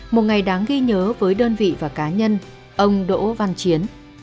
một ngày đáng ghi nhớ với đơn vị và cá nhân ông đỗ văn chiến